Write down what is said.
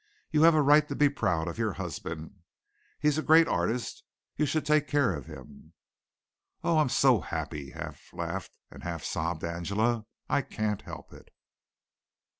"You have a right to be proud of your husband. He is a great artist. You should take care of him." "Oh, I'm so happy," half laughed and half sobbed Angela, "I can't help it."